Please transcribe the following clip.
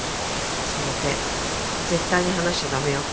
その手絶対に離しちゃ駄目よ。